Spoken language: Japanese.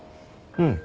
うん。